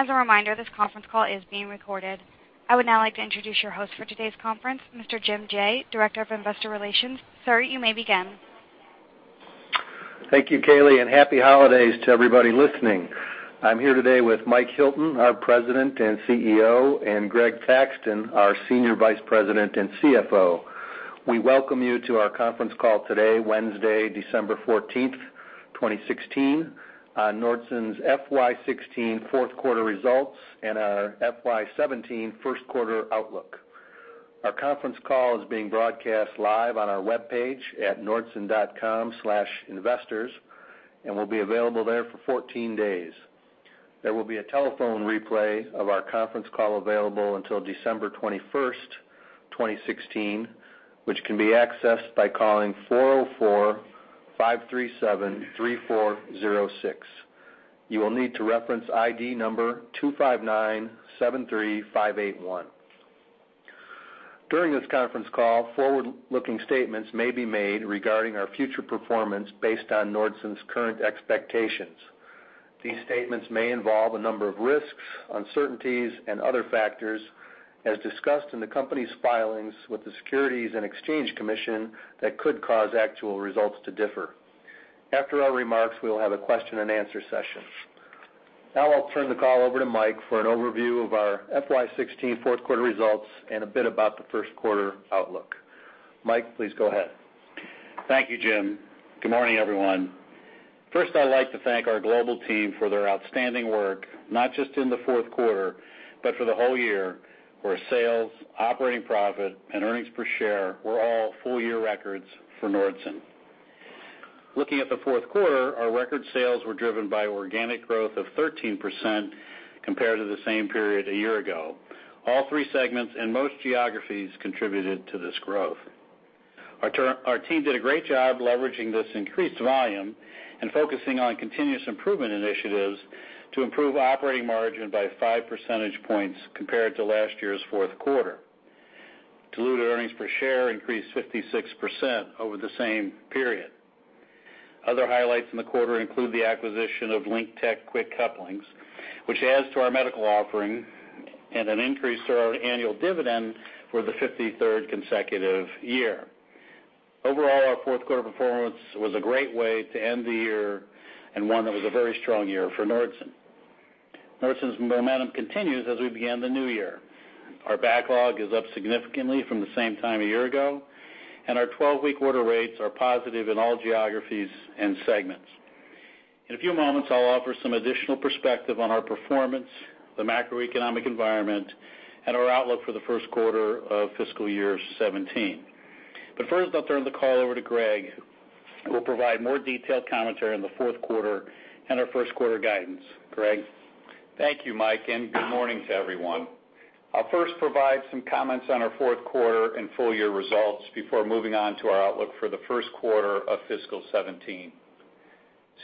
As a reminder, this conference call is being recorded. I would now like to introduce your host for today's conference, Mr. Jim Jaye, Director of Investor Relations. Sir, you may begin. Thank you, Kaylee, and happy holidays to everybody listening. I'm here today with Mike Hilton, our President and CEO, and Greg Thaxton, our Senior Vice President and CFO. We welcome you to our conference call today, Wednesday, December 14, 2016, on Nordson's FY sixteen fourth quarter results and our FY 2017 first quarter outlook. Our conference call is being broadcast live on our webpage at nordson.com/investors and will be available there for 14 days. There will be a telephone replay of our conference call available until December 21, 2016, which can be accessed by calling 404-537-3406. You will need to reference ID number 25973581. During this conference call, forward-looking statements may be made regarding our future performance based on Nordson's current expectations. These statements may involve a number of risks, uncertainties, and other factors as discussed in the company's filings with the Securities and Exchange Commission that could cause actual results to differ. After our remarks, we will have a question-and-answer session. Now, I'll turn the call over to Mike for an overview of our FY 2016 fourth quarter results and a bit about the first quarter outlook. Mike, please go ahead. Thank you, Jim. Good morning, everyone. First, I'd like to thank our global team for their outstanding work, not just in the fourth quarter, but for the whole year, where sales, operating profit, and earnings per share were all full-year records for Nordson. Looking at the fourth quarter, our record sales were driven by organic growth of 13% compared to the same period a year ago. All three segments and most geographies contributed to this growth. Our team did a great job leveraging this increased volume and focusing on continuous improvement initiatives to improve operating margin by five percentage points compared to last year's fourth quarter. Diluted earnings per share increased 56% over the same period. Other highlights in the quarter include the acquisition of LinkTech Quick Couplings, which adds to our medical offering and an increase to our annual dividend for the 53rd consecutive year. Overall, our fourth quarter performance was a great way to end the year and one that was a very strong year for Nordson. Nordson's momentum continues as we begin the new year. Our backlog is up significantly from the same time a year ago, and our 12-week order rates are positive in all geographies and segments. In a few moments, I'll offer some additional perspective on our performance, the macroeconomic environment, and our outlook for the first quarter of fiscal year 2017. First, I'll turn the call over to Greg, who will provide more detailed commentary on the fourth quarter and our first quarter guidance. Greg? Thank you, Mike, and good morning to everyone. I'll first provide some comments on our fourth quarter and full-year results before moving on to our outlook for the first quarter of fiscal 2017.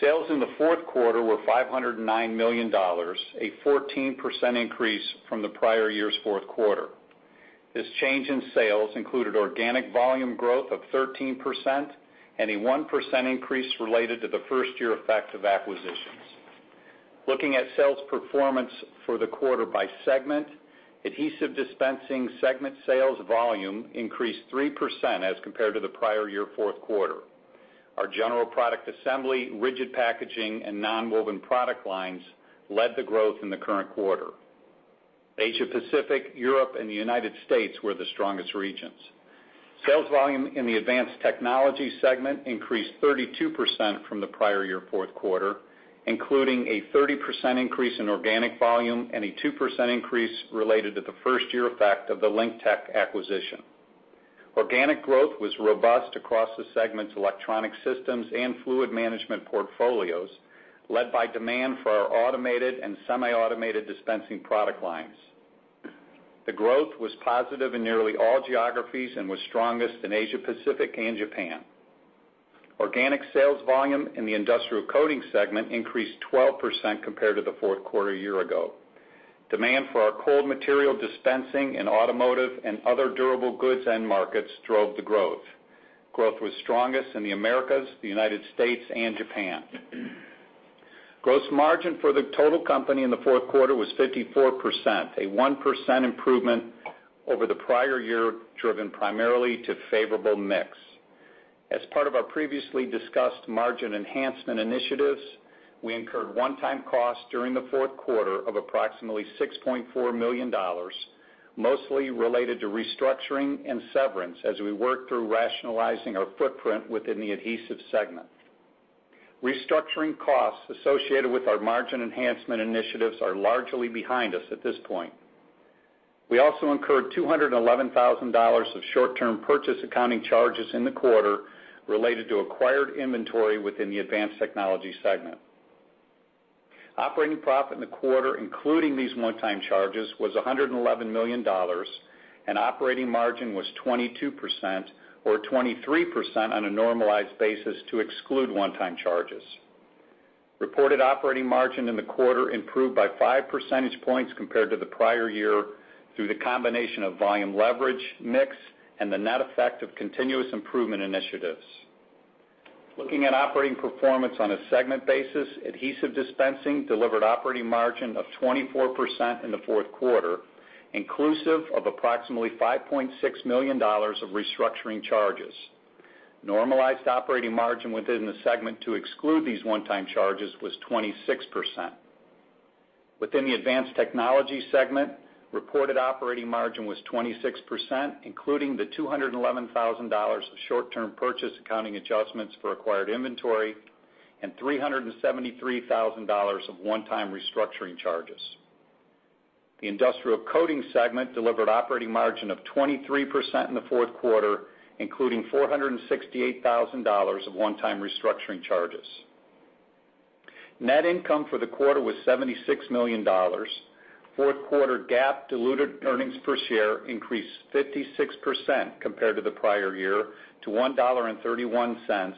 Sales in the fourth quarter were $509 million, a 14% increase from the prior year's fourth quarter. This change in sales included organic volume growth of 13% and a 1% increase related to the first year effect of acquisitions. Looking at sales performance for the quarter by segment, Adhesive Dispensing segment sales volume increased 3% as compared to the prior year fourth quarter. Our general product assembly, rigid packaging, and nonwoven product lines led the growth in the current quarter. Asia Pacific, Europe, and the United States were the strongest regions. Sales volume in the Advanced Technology segment increased 32% from the prior year fourth quarter, including a 30% increase in organic volume and a 2% increase related to the first year effect of the LinkTech acquisition. Organic growth was robust across the segment's electronic systems and fluid management portfolios, led by demand for our automated and semi-automated dispensing product lines. The growth was positive in nearly all geographies and was strongest in Asia Pacific and Japan. Organic sales volume in the Industrial Coating segment increased 12% compared to the fourth quarter a year ago. Demand for our cold material dispensing in automotive and other durable goods end markets drove the growth. Growth was strongest in the Americas, the United States, and Japan. Gross margin for the total company in the fourth quarter was 54%, a 1% improvement over the prior year, driven primarily by favorable mix. As part of our previously discussed margin enhancement initiatives, we incurred one-time costs during the fourth quarter of approximately $6.4 million, mostly related to restructuring and severance as we work through rationalizing our footprint within the Adhesive segment. Restructuring costs associated with our margin enhancement initiatives are largely behind us at this point. We also incurred $211,000 of short-term purchase accounting charges in the quarter related to acquired inventory within the Advanced Technology segment. Operating profit in the quarter, including these one-time charges, was $111 million, and operating margin was 22% or 23% on a normalized basis to exclude one-time charges. Reported operating margin in the quarter improved by five percentage points compared to the prior year through the combination of volume leverage, mix, and the net effect of continuous improvement initiatives. Looking at operating performance on a segment basis, Adhesive Dispensing delivered operating margin of 24% in the fourth quarter, inclusive of approximately $5.6 million of restructuring charges. Normalized operating margin within the segment to exclude these one-time charges was 26%. Within the Advanced Technology segment, reported operating margin was 26%, including the $211,000 of short-term purchase accounting adjustments for acquired inventory and $373,000 of one-time restructuring charges. The Industrial Coating segment delivered operating margin of 23% in the fourth quarter, including $468,000 of one-time restructuring charges. Net income for the quarter was $76 million. Fourth quarter GAAP diluted earnings per share increased 56% compared to the prior year to $1.31,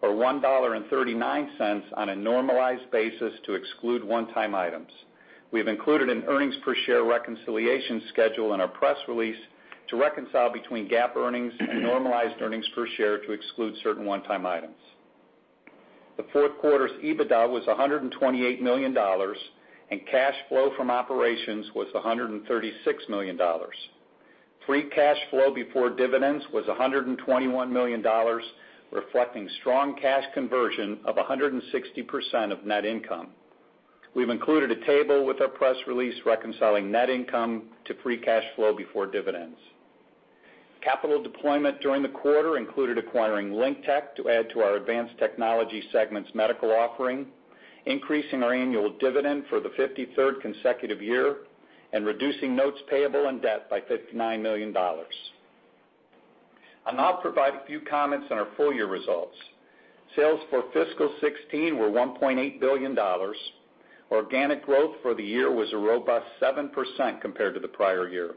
or $1.39 on a normalized basis to exclude one-time items. We have included an earnings per share reconciliation schedule in our press release to reconcile between GAAP earnings and normalized earnings per share to exclude certain one-time items. The fourth quarter's EBITDA was $128 million and cash flow from operations was $136 million. Free cash flow before dividends was $121 million, reflecting strong cash conversion of 160% of net income. We've included a table with our press release reconciling net income to free cash flow before dividends. Capital deployment during the quarter included acquiring LinkTech to add to our Advanced Technology segment's medical offering, increasing our annual dividend for the 53rd consecutive year, and reducing notes payable and debt by $59 million. I'll now provide a few comments on our full-year results. Sales for fiscal 2016 were $1.8 billion. Organic growth for the year was a robust 7% compared to the prior year.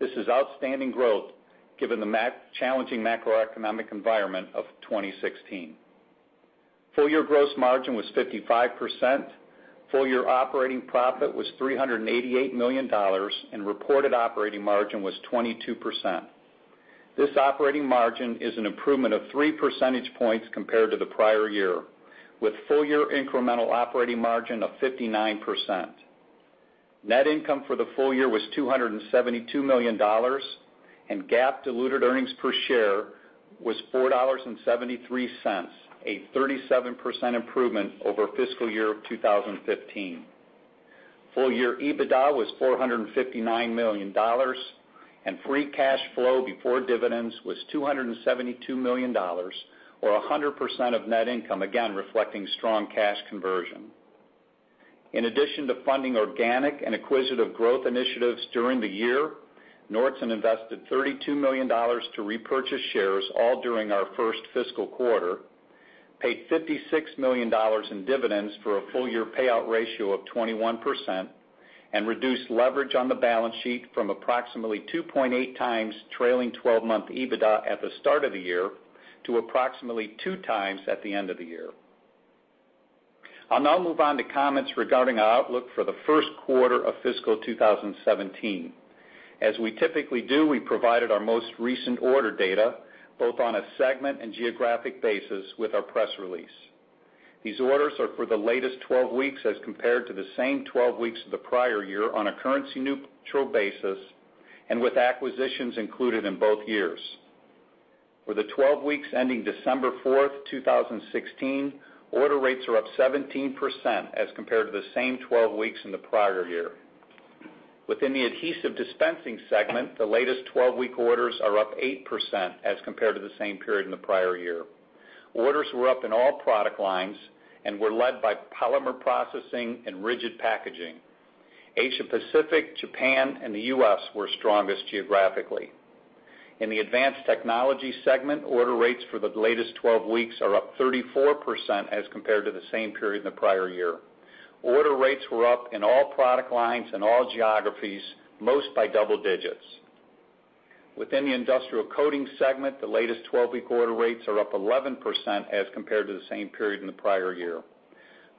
This is outstanding growth given the challenging macroeconomic environment of 2016. Full-year gross margin was 55%. Full-year operating profit was $388 million, and reported operating margin was 22%. This operating margin is an improvement of three percentage points compared to the prior year, with full-year incremental operating margin of 59%. Net income for the full-year was $272 million, and GAAP diluted earnings per share was $4.73, a 37% improvement over fiscal year 2015. Full-year EBITDA was $459 million, and free cash flow before dividends was $272 million, or 100% of net income, reflecting strong cash conversion. In addition to funding organic and acquisitive growth initiatives during the year, Nordson invested $32 million to repurchase shares all during our first fiscal quarter, paid $56 million in dividends for a full-year payout ratio of 21%, and reduced leverage on the balance sheet from approximately 2.8x trailing twelve-month EBITDA at the start of the year to approximately 2x at the end of the year. I'll now move on to comments regarding our outlook for the first quarter of fiscal 2017. As we typically do, we provided our most recent order data, both on a segment and geographic basis, with our press release. These orders are for the latest 12 weeks as compared to the same 12 weeks of the prior year on a currency neutral basis and with acquisitions included in both years. For the 12 weeks ending December 4, 2016, order rates are up 17% as compared to the same 12 weeks in the prior year. Within the Adhesive Dispensing segment, the latest 12-week orders are up 8% as compared to the same period in the prior year. Orders were up in all product lines and were led by Polymer Processing and rigid packaging. Asia Pacific, Japan, and the U.S. were strongest geographically. In the Advanced Technology segment, order rates for the latest 12 weeks are up 34% as compared to the same period in the prior year. Order rates were up in all product lines and all geographies, most by double digits. Within the Industrial Coating segment, the latest 12-week order rates are up 11% as compared to the same period in the prior year.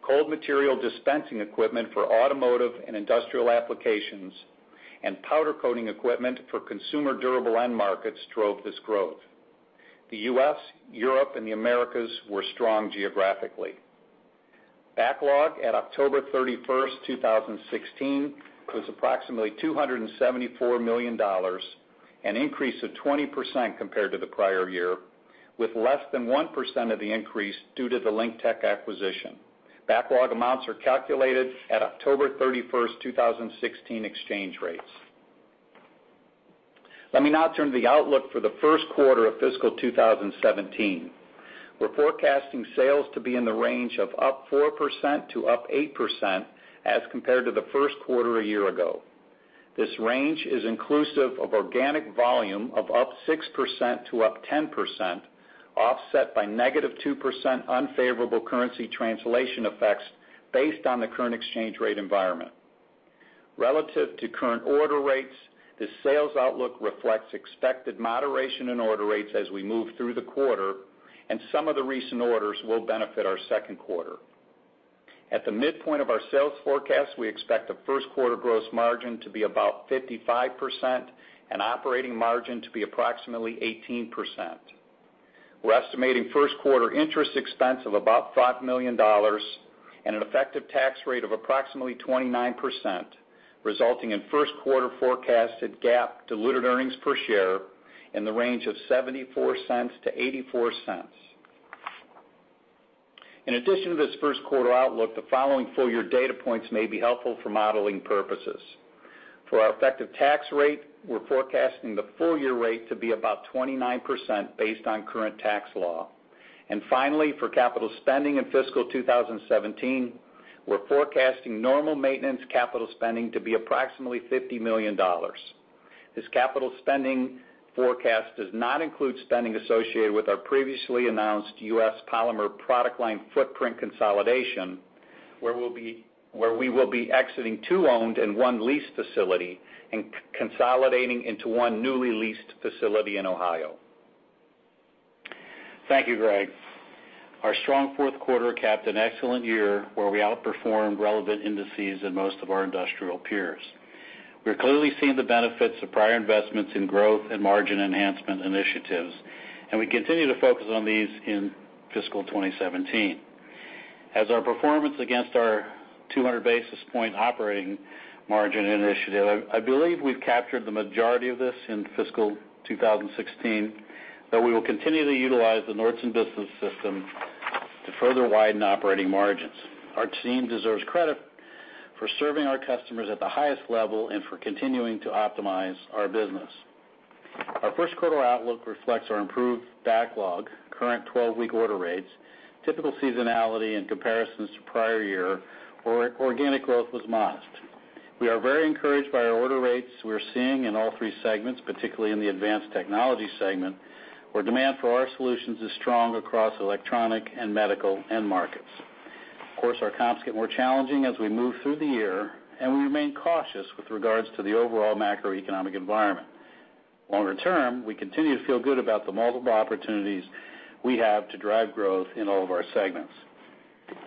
Cold material dispensing equipment for automotive and industrial applications and powder coating equipment for consumer durable end markets drove this growth. The U.S., Europe, and the Americas were strong geographically. Backlog at October 31, 2016, was approximately $274 million, an increase of 20% compared to the prior year, with less than 1% of the increase due to the LinkTech acquisition. Backlog amounts are calculated at October 31, 2016, exchange rates. Let me now turn to the outlook for the first quarter of fiscal 2017. We're forecasting sales to be in the range of up 4% to up 8% as compared to the first quarter a year ago. This range is inclusive of organic volume of up 6% to up 10%, offset by -2% unfavorable currency translation effects based on the current exchange rate environment. Relative to current order rates, the sales outlook reflects expected moderation in order rates as we move through the quarter, and some of the recent orders will benefit our second quarter. At the midpoint of our sales forecast, we expect the first quarter gross margin to be about 55% and operating margin to be approximately 18%. We're estimating first quarter interest expense of about $5 million and an effective tax rate of approximately 29%, resulting in first quarter forecasted GAAP diluted earnings per share in the range of $0.74-$0.84. In addition to this first quarter outlook, the following full-year data points may be helpful for modeling purposes. For our effective tax rate, we're forecasting the full-year rate to be about 29% based on current tax law. Finally, for capital spending in fiscal 2017, we're forecasting normal maintenance capital spending to be approximately $50 million. This capital spending forecast does not include spending associated with our previously announced U.S. polymer product line footprint consolidation, where we will be exiting two owned and one leased facility and consolidating into one newly leased facility in Ohio. Thank you, Greg. Our strong fourth quarter capped an excellent year where we outperformed relevant indices in most of our industrial peers. We're clearly seeing the benefits of prior investments in growth and margin enhancement initiatives, and we continue to focus on these in fiscal 2017. As for our performance against our 200 basis points operating margin initiative, I believe we've captured the majority of this in fiscal 2016, but we will continue to utilize the Nordson Business System to further widen operating margins. Our team deserves credit for serving our customers at the highest level and for continuing to optimize our business. Our first quarter outlook reflects our improved backlog, current 12-week order rates, typical seasonality and comparisons to prior year, where organic growth was modest. We are very encouraged by our order rates we're seeing in all three segments, particularly in the Advanced Technology segment, where demand for our solutions is strong across electronic and medical end markets. Of course, our comps get more challenging as we move through the year, and we remain cautious with regards to the overall macroeconomic environment. Longer term, we continue to feel good about the multiple opportunities we have to drive growth in all of our segments.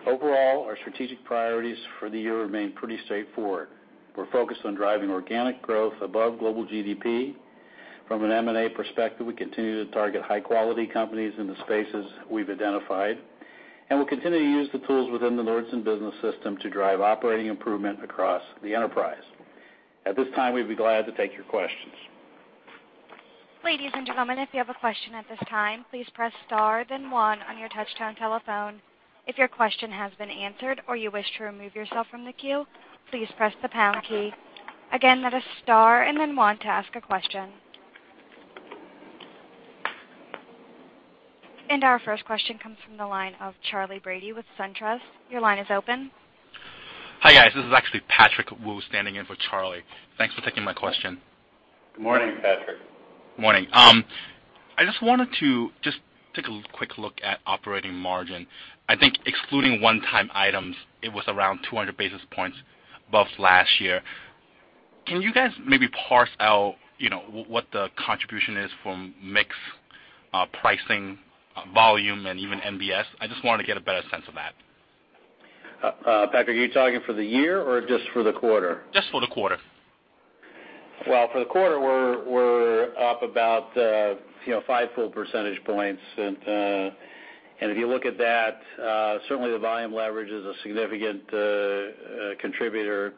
Overall, our strategic priorities for the year remain pretty straightforward. We're focused on driving organic growth above global GDP. From an M&A perspective, we continue to target high-quality companies in the spaces we've identified. We'll continue to use the tools within the Nordson Business System to drive operating improvement across the enterprise. At this time, we'd be glad to take your questions. Ladies and gentlemen, if you have a question at this time, please press star then one on your touch-tone telephone. If your question has been answered or you wish to remove yourself from the queue, please press the pound key. Again, that is star and then one to ask a question. Our first question comes from the line of Charley Brady with SunTrust. Your line is open. Hi, guys. This is actually Patrick Wu standing in for Charley. Thanks for taking my question. Good morning, Patrick. Morning. I just wanted to take a quick look at operating margin. I think excluding one-time items, it was around 200 basis points above last year. Can you guys maybe parse out, you know, what the contribution is from mix, pricing, volume, and even NBS? I just wanted to get a better sense of that. Patrick, are you talking for the year or just for the quarter? Just for the quarter. Well, for the quarter, we're up about five full percentage points. If you look at that, certainly the volume leverage is a significant contributor.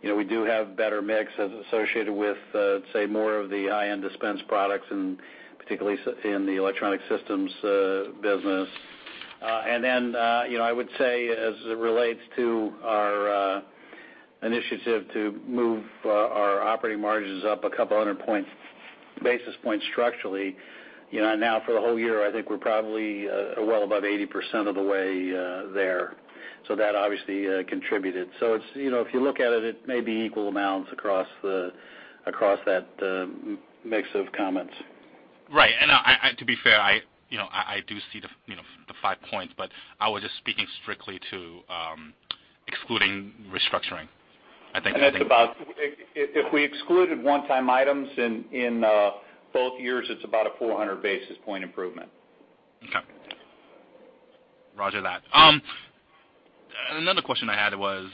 You know, we do have better mix associated with say more of the high-end dispense products, and particularly in the Electronics Solutions business. You know, I would say as it relates to our initiative to move our operating margins up a couple hundred basis points structurally, now for the whole year, I think we're probably well above 80% of the way there. That obviously contributed. It's, you know, if you look at it may be equal amounts across that mix of comments. Right. To be fair, you know, I do see the, you know, the five points, but I was just speaking strictly to excluding restructuring. I think- If we excluded one-time items in both years, it's about a 400 basis points improvement. Okay. Roger that. Another question I had was,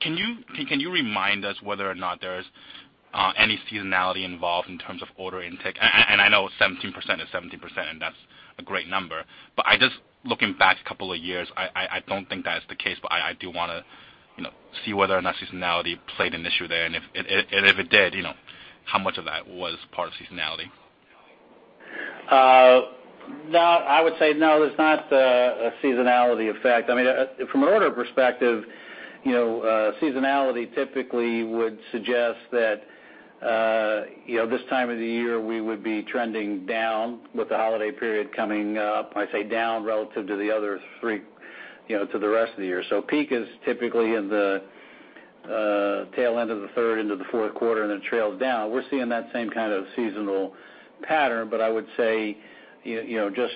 can you remind us whether or not there's any seasonality involved in terms of order intake? I know 17% is 17%, and that's a great number. I just, looking back a couple of years, don't think that is the case, but I do wanna, you know, see whether or not seasonality played an issue there. If it did, you know, how much of that was part of seasonality? No, I would say no, there's not a seasonality effect. I mean, from an order perspective, you know, seasonality typically would suggest that, you know, this time of the year, we would be trending down with the holiday period coming up. I say down relative to the other three, you know, to the rest of the year. Peak is typically in the tail end of the third into the fourth quarter, and then it trails down. We're seeing that same kind of seasonal pattern, but I would say, you know, just,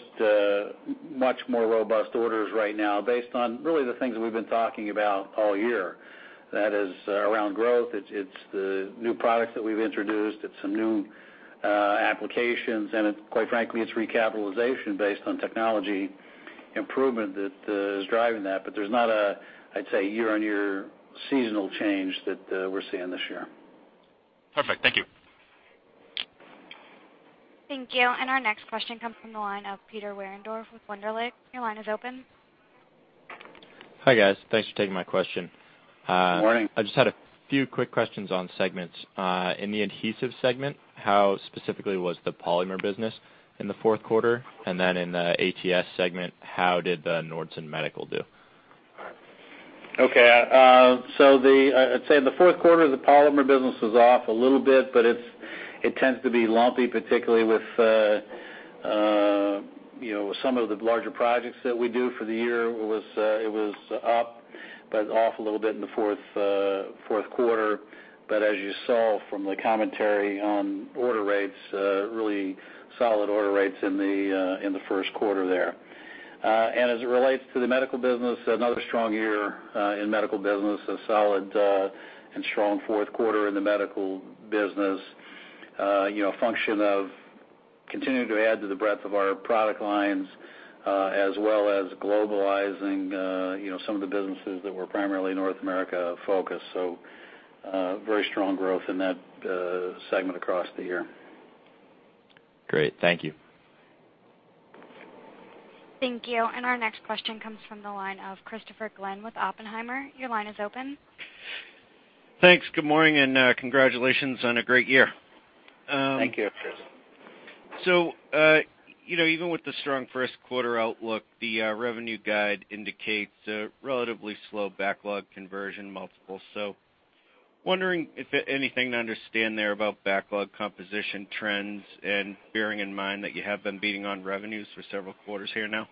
much more robust orders right now based on really the things that we've been talking about all year. That is, around growth. It's the new products that we've introduced. It's some new applications and it, quite frankly, it's recapitalization based on technology improvement that is driving that. There's not a, I'd say, year-on-year seasonal change that we're seeing this year. Perfect. Thank you. Thank you. Our next question comes from the line of Walter Liptak with Wunderlich. Your line is open. Hi, guys. Thanks for taking my question. Morning. I just had a few quick questions on segments. In the adhesive segment, how specifically was the polymer business in the fourth quarter? In the ATS segment, how did the Nordson Medical do? I'd say in the fourth quarter, the polymer business was off a little bit, but it tends to be lumpy, particularly with some of the larger projects that we do for the year. It was up, but off a little bit in the fourth quarter. As you saw from the commentary on order rates, really solid order rates in the first quarter there. As it relates to the medical business, another strong year in medical business, a solid and strong fourth quarter in the medical business. A function of continuing to add to the breadth of our product lines, as well as globalizing some of the businesses that were primarily North America-focused. Very strong growth in that segment across the year. Great. Thank you. Thank you. Our next question comes from the line of Christopher Glynn with Oppenheimer. Your line is open. Thanks. Good morning, and, congratulations on a great year. Thank you, Chris. You know, even with the strong first quarter outlook, the revenue guide indicates a relatively slow backlog conversion multiple. Wondering if anything to understand there about backlog composition trends and bearing in mind that you have been beating on revenues for several quarters here now?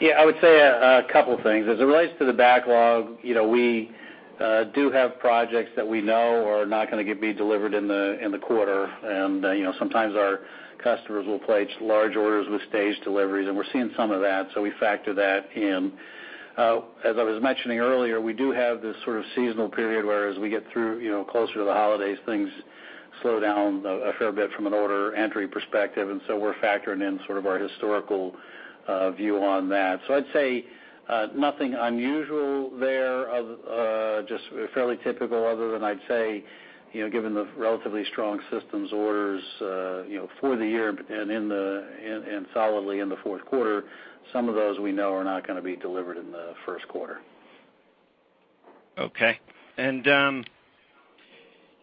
Yeah, I would say a couple things. As it relates to the backlog, you know, we do have projects that we know are not gonna be delivered in the quarter. Sometimes our customers will place large orders with staged deliveries, and we're seeing some of that, so we factor that in. As I was mentioning earlier, we do have this sort of seasonal period where as we get through, you know, closer to the holidays, things slow down a fair bit from an order entry perspective. We're factoring in sort of our historical view on that. I'd say nothing unusual there, just fairly typical other than I'd say, you know, given the relatively strong systems orders, you know, for the year and solidly in the fourth quarter, some of those we know are not gonna be delivered in the first quarter. Okay. You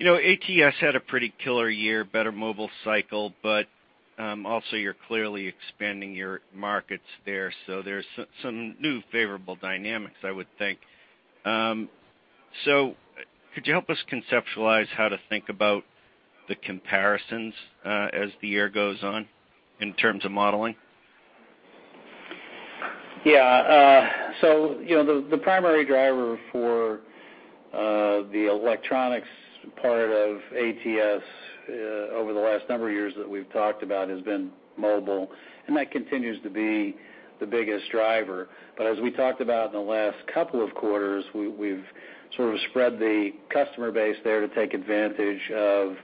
know, ATS had a pretty killer year, better mobile cycle, but also you're clearly expanding your markets there. There's some new favorable dynamics, I would think. Could you help us conceptualize how to think about the comparisons, as the year goes on in terms of modeling? Yeah, you know, the primary driver for the electronics part of ATS over the last number of years that we've talked about has been mobile, and that continues to be the biggest driver. As we talked about in the last couple of quarters, we've sort of spread the customer base there to take advantage of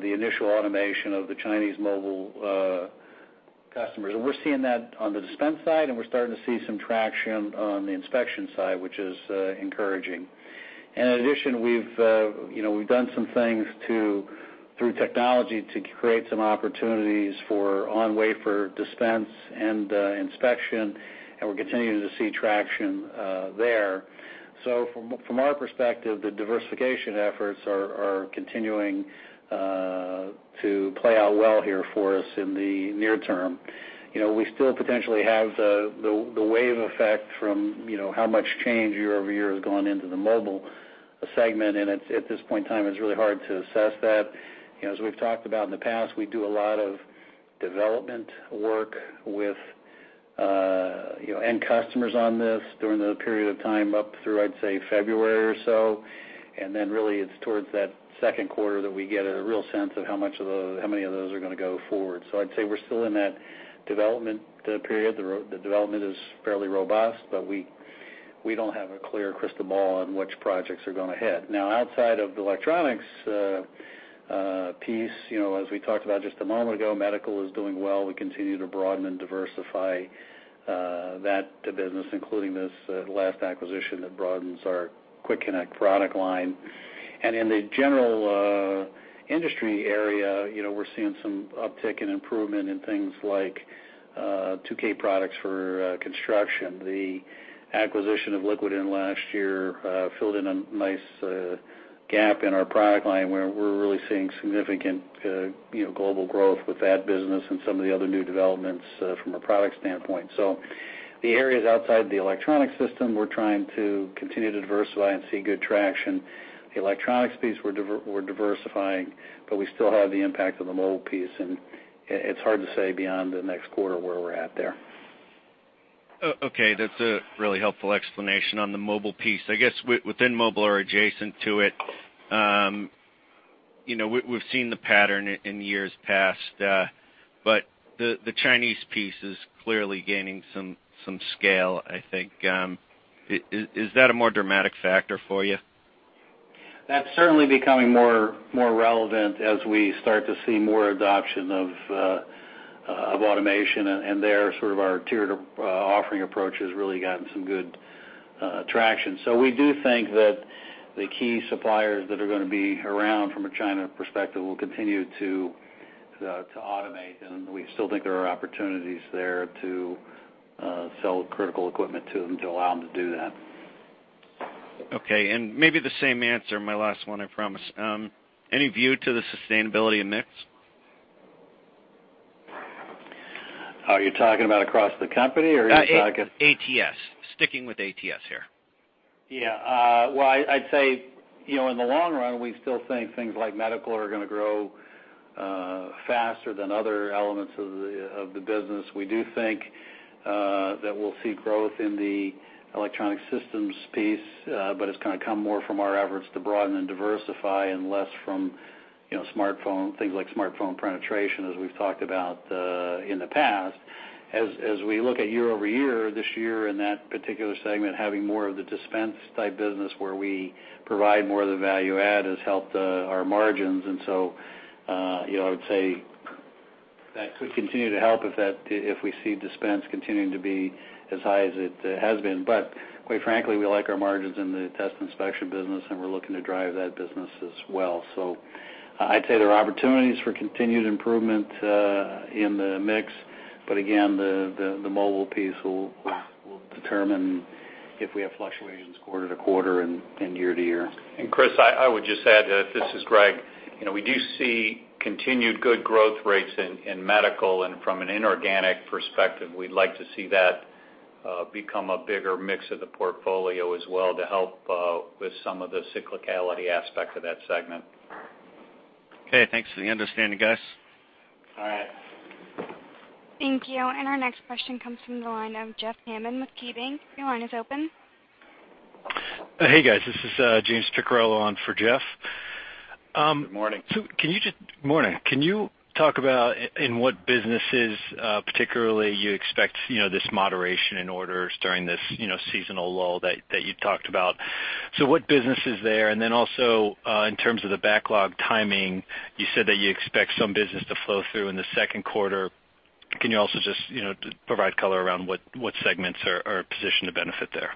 the initial automation of the Chinese mobile customers. We're seeing that on the dispense side, and we're starting to see some traction on the inspection side, which is encouraging. In addition, you know, we've done some things through technology to create some opportunities for on-wafer dispense and inspection, and we're continuing to see traction there. From our perspective, the diversification efforts are continuing to play out well here for us in the near term. You know, we still potentially have the wave effect from, you know, how much change year-over-year has gone into the mobile segment. At this point in time, it's really hard to assess that. You know, as we've talked about in the past, we do a lot of development work with, you know, end customers on this during the period of time up through, I'd say, February or so. Then really it's towards that second quarter that we get a real sense of how much of those, how many of those are gonna go forward. I'd say we're still in that development period. The development is fairly robust, but we don't have a clear crystal ball on which projects are going ahead. Now, outside of the electronics piece, you know, as we talked about just a moment ago, medical is doing well. We continue to broaden and diversify that business, including this last acquisition that broadens our Quick Connect product line. In the general industry area, you know, we're seeing some uptick in improvement in things like 2K products for construction. The acquisition of Liquidyn last year filled in a nice gap in our product line where we're really seeing significant you know, global growth with that business and some of the other new developments from a product standpoint. The areas outside the electronics, we're trying to continue to diversify and see good traction. The electronics piece, we're diversifying, but we still have the impact of the mobile piece, and it's hard to say beyond the next quarter where we're at there. Okay. That's a really helpful explanation on the mobile piece. I guess within mobile or adjacent to it, you know, we've seen the pattern in years past. The Chinese piece is clearly gaining some scale, I think. Is that a more dramatic factor for you? That's certainly becoming more relevant as we start to see more adoption of automation. There, sort of, our tiered offering approach has really gotten some good traction. We do think that the key suppliers that are gonna be around from a China perspective will continue to automate. We still think there are opportunities there to sell critical equipment to them to allow them to do that. Okay. Maybe the same answer, my last one, I promise. Any view to the sustainability of mix? Are you talking about across the company or are you talking? ATS. Sticking with ATS here. Yeah. Well, I'd say, you know, in the long run, we still think things like medical are gonna grow faster than other elements of the business. We do think that we'll see growth in the Electronics Solutions piece, but it's gonna come more from our efforts to broaden and diversify and less from, you know, smartphone, things like smartphone penetration, as we've talked about in the past. As we look at year-over-year, this year in that particular segment, having more of the dispense type business where we provide more of the value add has helped our margins. You know, I would say that could continue to help if we see dispense continuing to be as high as it has been. Quite frankly, we like our margins in the test inspection business, and we're looking to drive that business as well. I'd say there are opportunities for continued improvement in the mix. Again, the mobile piece will determine if we have fluctuations quarter to quarter and year to year. Chris, I would just add, this is Greg. You know, we do see continued good growth rates in medical. From an inorganic perspective, we'd like to see that become a bigger mix of the portfolio as well to help with some of the cyclicality aspect of that segment. Okay. Thanks for the understanding, guys. All right. Thank you. Our next question comes from the line of Jeff Hammond with KeyBanc. Your line is open. Hey, guys. This is James Picariello on for Jeff. Good morning. Morning. Can you talk about in what businesses, particularly you expect this moderation in orders during this seasonal lull that you talked about? What business is there? Then also, in terms of the backlog timing, you said that you expect some business to flow through in the second quarter. Can you also just provide color around what segments are positioned to benefit there?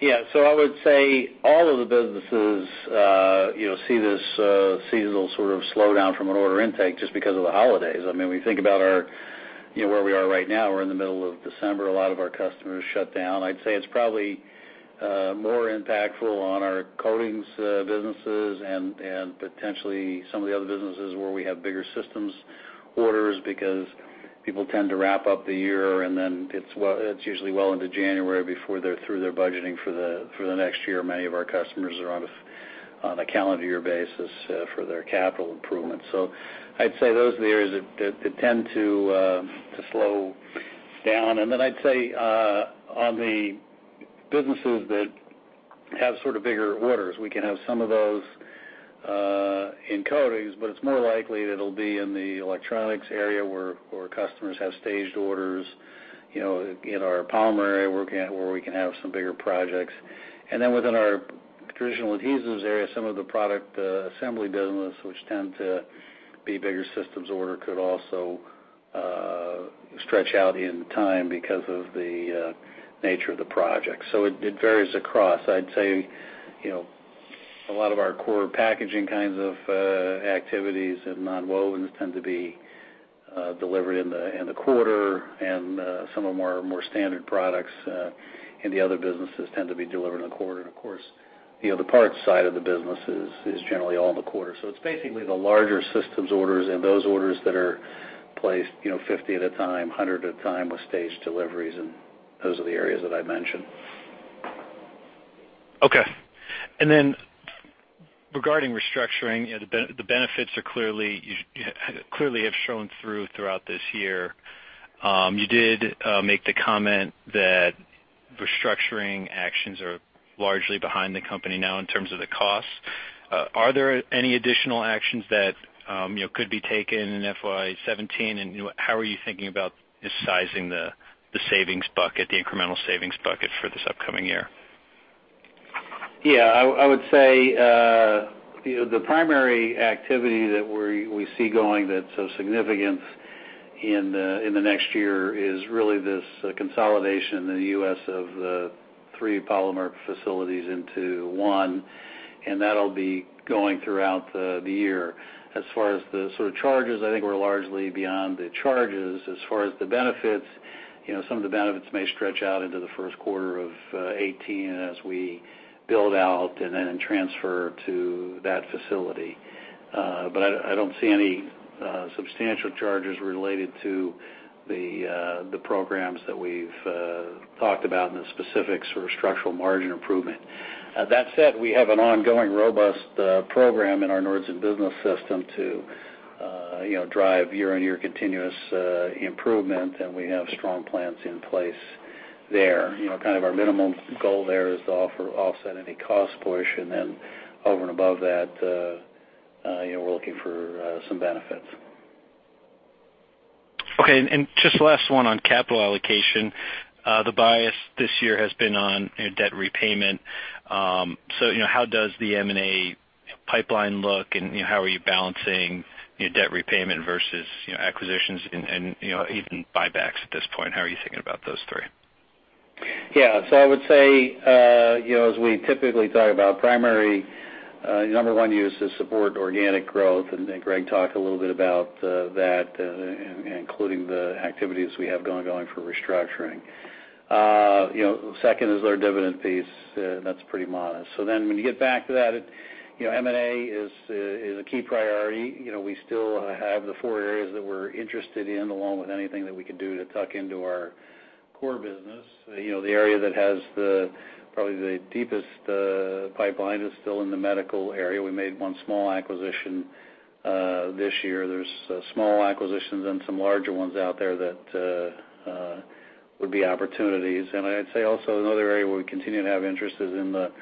Yeah. I would say all of the businesses, you know, see this seasonal sort of slowdown from an order intake just because of the holidays. I mean, when you think about our, you know, where we are right now, we're in the middle of December, a lot of our customers shut down. I'd say it's probably more impactful on our coatings businesses and potentially some of the other businesses where we have bigger systems orders because people tend to wrap up the year, and then it's usually well into January before they're through their budgeting for the next year. Many of our customers are on a calendar year basis for their capital improvements. I'd say those are the areas that tend to slow down. I'd say, on the businesses that have sort of bigger orders, we can have some of those in coatings, but it's more likely that it'll be in the electronics area where customers have staged orders, you know, in our polymer area, working where we can have some bigger projects. Within our traditional adhesives area, some of the product assembly business, which tend to be bigger systems order, could also stretch out in time because of the nature of the project. So it varies across. I'd say, you know, a lot of our core packaging kinds of activities and nonwovens tend to be delivered in the quarter, and some of our more standard products in the other businesses tend to be delivered in the quarter. Of course, you know, the parts side of the business is generally all in the quarter. It's basically the larger systems orders and those orders that are placed, you know, 50 at a time, 100 at a time with staged deliveries, and those are the areas that I mentioned. Okay. Regarding restructuring, you know, the benefits are clearly, you clearly have shown throughout this year. You did make the comment that restructuring actions are largely behind the company now in terms of the costs. Are there any additional actions that you know could be taken in FY17? You know, how are you thinking about sizing the savings bucket, the incremental savings bucket for this upcoming year? Yeah. I would say, you know, the primary activity that we see going that's of significance in the next year is really this consolidation in the U.S. of the three polymer facilities into one, and that'll be going throughout the year. As far as the sort of charges, I think we're largely beyond the charges. As far as the benefits, you know, some of the benefits may stretch out into the first quarter of 2018 as we build out and then transfer to that facility. But I don't see any substantial charges related to the programs that we've talked about in the specific sort of structural margin improvement. That said, we have an ongoing robust program in our Nordson Business System to, you know, drive year-on-year continuous improvement, and we have strong plans in place there. You know, kind of our minimum goal there is to offset any cost portion. Over and above that, you know, we're looking for some benefits. Okay. Just last one on capital allocation. The bias this year has been on, you know, debt repayment. You know, how does the M&A, you know, pipeline look, and, you know, how are you balancing, you know, debt repayment versus, you know, acquisitions and, you know, even buybacks at this point? How are you thinking about those three? Yeah. I would say, you know, as we typically talk about primary number one use is support organic growth, and Greg talked a little bit about that, including the activities we have going for restructuring. You know, second is our dividend piece. That's pretty modest. When you get back to that, you know, M&A is a key priority. You know, we still have the four areas that we're interested in, along with anything that we can do to tuck into our core business. You know, the area that has probably the deepest pipeline is still in the medical area. We made one small acquisition this year. There's small acquisitions and some larger ones out there that would be opportunities. I'd say also another area where we continue to have interest is in the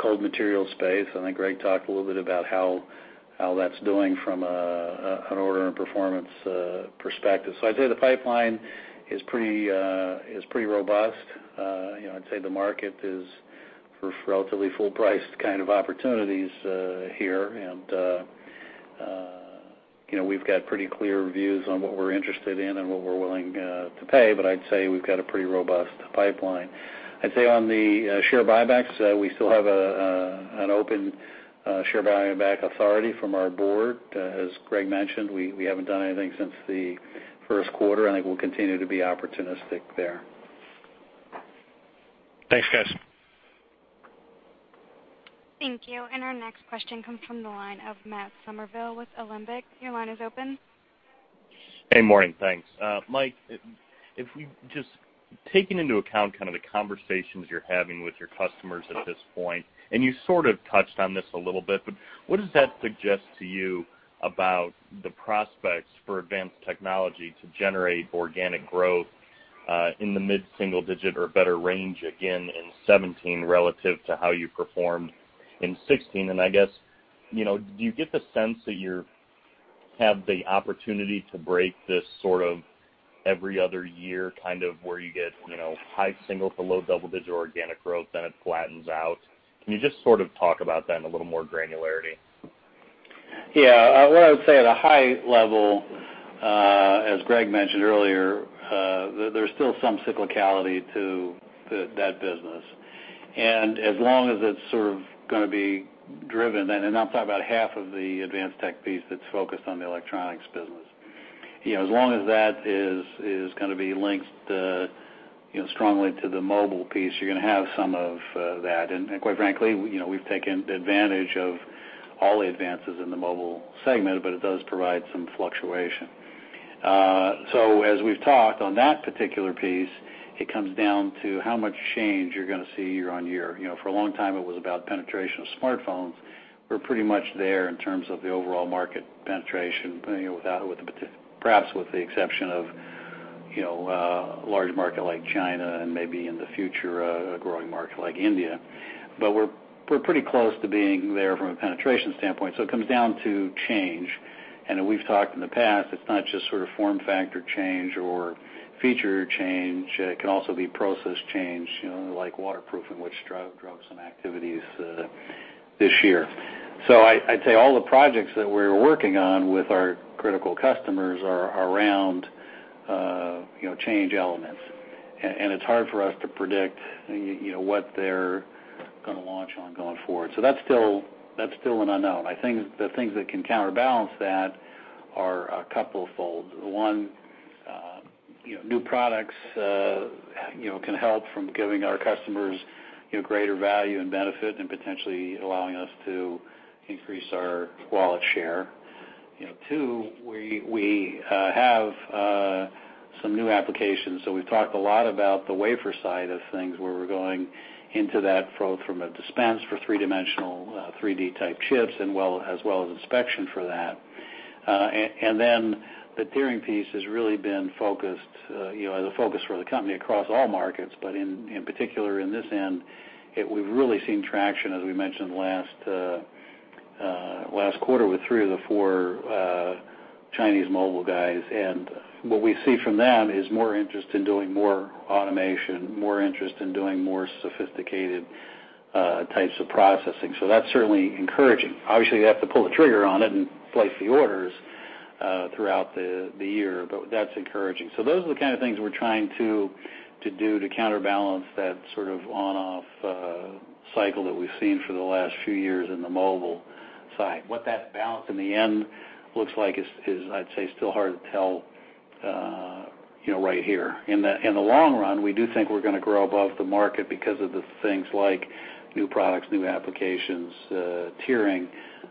cold materials space. I think Greg talked a little bit about how that's doing from an order and performance perspective. I'd say the pipeline is pretty robust. You know, I'd say the market is for relatively full priced kind of opportunities here. You know, we've got pretty clear views on what we're interested in and what we're willing to pay. I'd say we've got a pretty robust pipeline. I'd say on the share buybacks, we still have an open share buyback authority from our board. As Greg mentioned, we haven't done anything since the first quarter, and I think we'll continue to be opportunistic there. Thanks, guys. Thank you. Our next question comes from the line of Matt Summerville with Alembic. Your line is open. Good morning. Thanks. Mike, just taking into account kind of the conversations you're having with your customers at this point, and you sort of touched on this a little bit, but what does that suggest to you about the prospects for Advanced Technology to generate organic growth in the mid-single digit or better range again in 2017 relative to how you performed in 2016? I guess, you know, do you get the sense that you have the opportunity to break this sort of every other year, kind of where you get, you know, high single to low double digit organic growth, then it flattens out? Can you just sort of talk about that in a little more granularity? Yeah. What I would say at a high level, as Greg mentioned earlier, there's still some cyclicality to that business. As long as it's sort of gonna be driven, I'm talking about half of the advanced tech piece that's focused on the electronics business. You know, as long as that is gonna be linked, you know, strongly to the mobile piece, you're gonna have some of that. Quite frankly, you know, we've taken advantage of all the advances in the mobile segment, but it does provide some fluctuation. As we've talked on that particular piece, it comes down to how much change you're gonna see year-on-year. You know, for a long time, it was about penetration of smartphones. We're pretty much there in terms of the overall market penetration, you know, with the exception of, you know, large market like China and maybe in the future, a growing market like India. We're pretty close to being there from a penetration standpoint, so it comes down to change. We've talked in the past, it's not just sort of form factor change or feature change. It can also be process change, you know, like waterproofing, which drove some activities this year. I'd say all the projects that we're working on with our critical customers are around, you know, change elements. It's hard for us to predict, you know, what they're gonna launching going forward. That's still an unknown. I think the things that can counterbalance that are couplefold. One, you know, new products, you know, can help in giving our customers, you know, greater value and benefit and potentially allowing us to increase our wallet share. You know, two, we have some new applications. We've talked a lot about the wafer side of things, where we're going into that both in dispensing for three-dimensional 3D-type chips and as well as inspection for that. And then the tiering piece has really been focused, you know, the focus for the company across all markets, but in particular in this end, we've really seen traction, as we mentioned last quarter with three of the four Chinese mobile guys. What we see from that is more interest in doing more automation, more interest in doing more sophisticated types of processing. That's certainly encouraging. Obviously, they have to pull the trigger on it and place the orders throughout the year, but that's encouraging. Those are the kind of things we're trying to do to counterbalance that sort of on-off cycle that we've seen for the last few years in the mobile side. What that balance in the end looks like is I'd say still hard to tell, you know, right here. In the long run, we do think we're gonna grow above the market because of the things like new products, new applications, tiering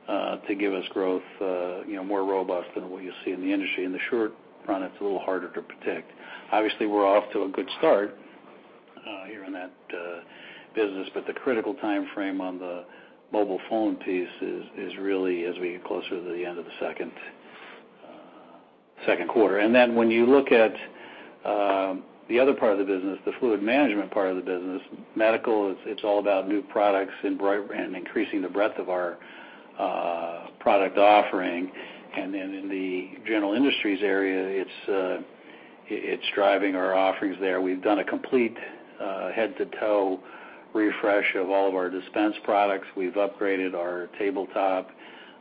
to give us growth, you know, more robust than what you see in the industry. In the short run, it's a little harder to predict. Obviously, we're off to a good start here in that business, but the critical timeframe on the mobile phone piece is really as we get closer to the end of the second quarter. Then when you look at the other part of the business, the fluid management part of the business, medical, it's all about new products and increasing the breadth of our product offering. In the general industries area, it's driving our offerings there. We've done a complete head-to-toe refresh of all of our dispense products. We've upgraded our tabletop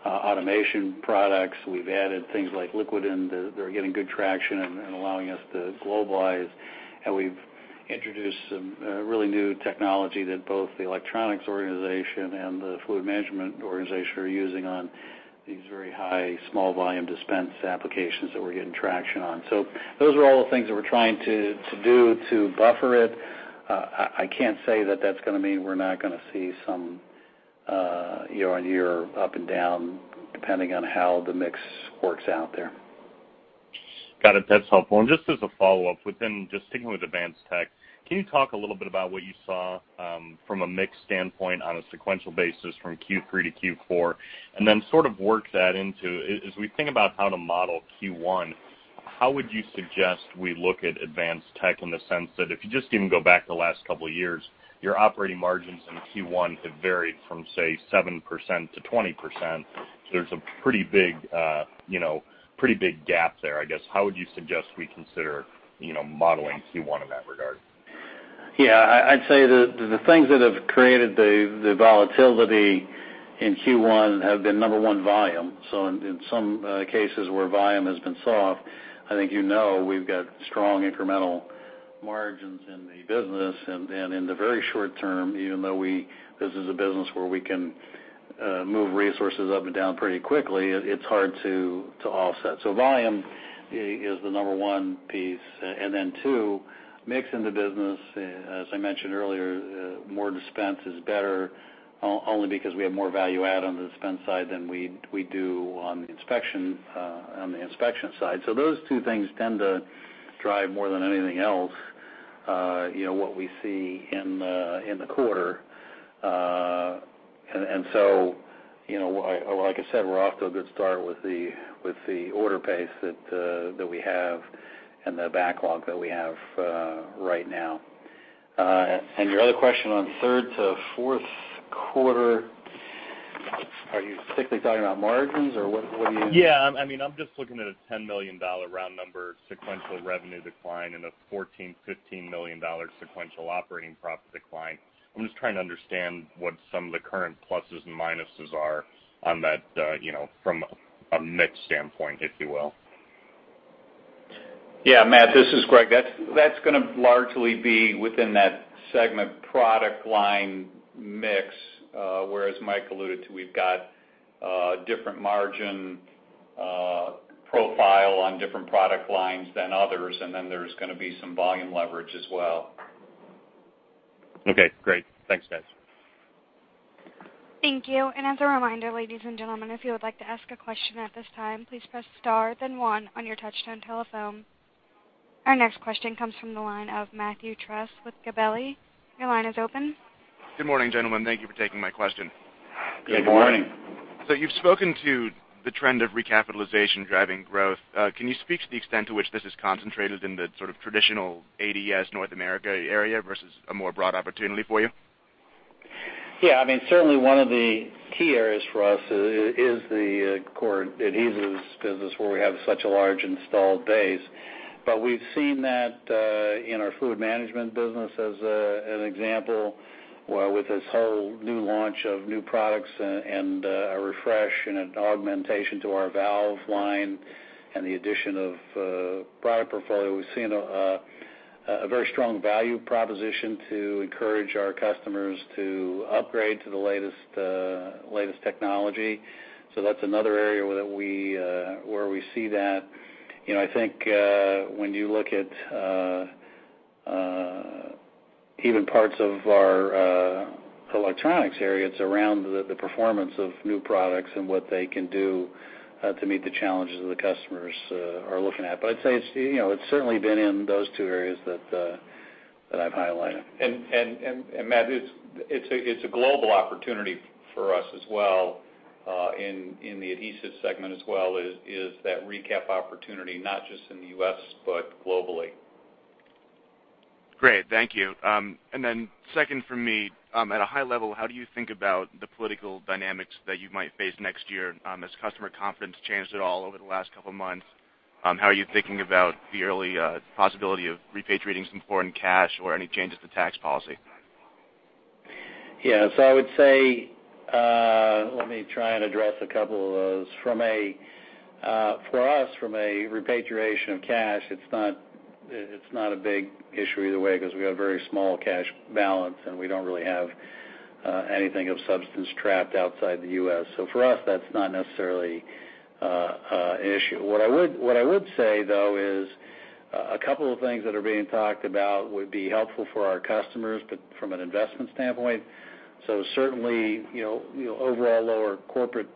automation products. We've added things like Liquidyn, and they're getting good traction and allowing us to globalize. We've introduced some really new technology that both the electronics organization and the fluid management organization are using on these very high small volume dispense applications that we're getting traction on. Those are all the things that we're trying to do to buffer it. I can't say that that's gonna mean we're not gonna see some year-on-year up and down, depending on how the mix works out there. Got it. That's helpful. Just as a follow-up, within just sticking with Advanced Tech, can you talk a little bit about what you saw from a mix standpoint on a sequential basis from Q3-Q4, and then sort of work that into as we think about how to model Q1, how would you suggest we look at Advanced Tech in the sense that if you just even go back the last couple of years, your operating margins in Q1 have varied from, say, 7%-20%. There's a pretty big, you know, pretty big gap there, I guess. How would you suggest we consider, you know, modeling Q1 in that regard? Yeah. I'd say the things that have created the volatility in Q1 have been, number one, volume. In some cases where volume has been soft, I think you know we've got strong incremental margins in the business. In the very short term, even though this is a business where we can move resources up and down pretty quickly, it's hard to offset. Volume is the number one piece. Two, mix in the business, as I mentioned earlier, more dispense is better only because we have more value add on the dispense side than we do on the inspection side. Those two things tend to drive more than anything else, you know, what we see in the quarter. You know, like I said, we're off to a good start with the order pace that we have and the backlog that we have right now. Your other question on third to fourth quarter, are you specifically talking about margins or what do you Yeah. I mean, I'm just looking at a $10 million round number sequential revenue decline and a $14-$15 million sequential operating profit decline. I'm just trying to understand what some of the current pluses and minuses are on that, you know, from a mix standpoint, if you will. Yeah, Matt, this is Greg. That's gonna largely be within that segment product line mix, whereas Mike alluded to, we've got a different margin profile on different product lines than others, and then there's gonna be some volume leverage as well. Okay, great. Thanks, guys. Thank you. As a reminder, ladies and gentlemen, if you would like to ask a question at this time, please press star then one on your touchtone telephone. Our next question comes from the line of Matthew Trusz with Gabelli. Your line is open. Good morning, gentlemen. Thank you for taking my question. Good morning. Good morning. You've spoken to the trend of recapitalization driving growth. Can you speak to the extent to which this is concentrated in the sort of traditional ADS North America area versus a more broad opportunity for you? Yeah. I mean, certainly one of the key areas for us is the core adhesives business where we have such a large installed base. We've seen that in our fluid management business as an example with this whole new launch of new products and a refresh and an augmentation to our valve line and the addition of product portfolio. We've seen a very strong value proposition to encourage our customers to upgrade to the latest technology. That's another area where we see that. You know, I think when you look at even parts of our electronics area, it's around the performance of new products and what they can do to meet the challenges that the customers are looking at. I'd say it's, you know, it's certainly been in those two areas that I've highlighted. Matt, it's a global opportunity for us as well, in the adhesives segment as well, is that recap opportunity, not just in the U.S., but globally. Great. Thank you. Second for me, at a high level, how do you think about the political dynamics that you might face next year, has customer confidence changed at all over the last couple of months? How are you thinking about the early possibility of repatriating some foreign cash or any changes to tax policy? Yeah. I would say, let me try and address a couple of those. From a for us, from a repatriation of cash, it's not a big issue either way 'cause we have very small cash balance, and we don't really have anything of substance trapped outside the U.S. For us, that's not necessarily an issue. What I would say, though, is a couple of things that are being talked about would be helpful for our customers, but from an investment standpoint. Certainly, you know, overall lower corporate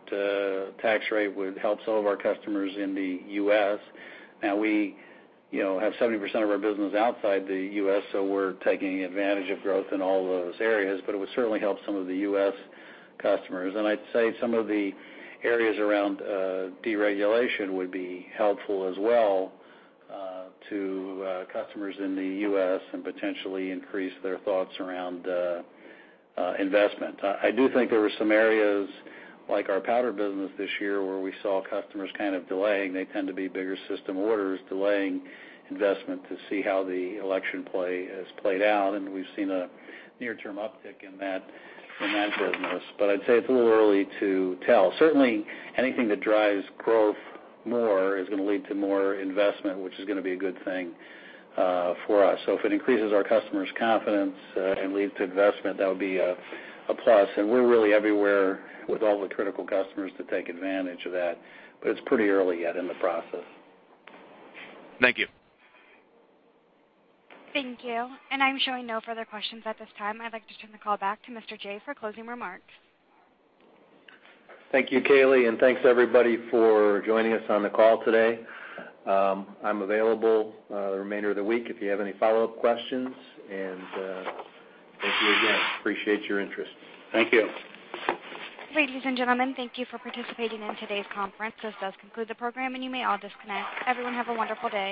tax rate would help some of our customers in the U.S. Now, we, you know, have 70% of our business outside the U.S., so we're taking advantage of growth in all those areas, but it would certainly help some of the U.S. customers. I'd say some of the areas around deregulation would be helpful as well to customers in the U.S. and potentially increase their thoughts around investment. I do think there are some areas like our powder business this year where we saw customers kind of delaying. They tend to be bigger system orders, delaying investment to see how the election play has played out. We've seen a near-term uptick in that business. But I'd say it's a little early to tell. Certainly, anything that drives growth more is gonna lead to more investment, which is gonna be a good thing for us. If it increases our customers' confidence and leads to investment, that would be a plus. We're really everywhere with all the critical customers to take advantage of that, but it's pretty early yet in the process. Thank you. Thank you. I'm showing no further questions at this time. I'd like to turn the call back to Mr. Jim for closing remarks. Thank you, Kaylee, and thanks everybody for joining us on the call today. I'm available the remainder of the week if you have any follow-up questions. Thank you again. Appreciate your interest. Thank you. Ladies and gentlemen, thank you for participating in today's conference. This does conclude the program, and you may all disconnect. Everyone, have a wonderful day.